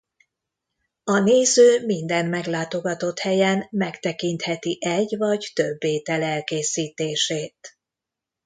A néző minden meglátogatott helyen megtekintheti egy vagy több étel elkészítését.